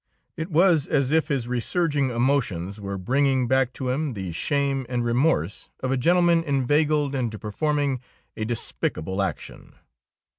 It was as if his resurging emotions were bringing back to him the shame and remorse of a gentleman inveigled into performing a despicable action.